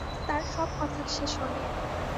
তাঁর সব কথা সে শোনে।